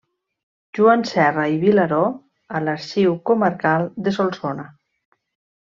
Joan Serra i Vilaró a l'Arxiu Comarcal de Solsona.